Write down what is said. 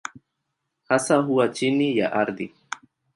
Hasa huwa chini ya ardhi.